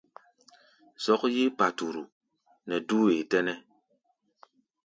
Zɔ́k yí paturu nɛ dú wee tɛ́nɛ́.